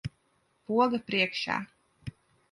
Poga priekšā.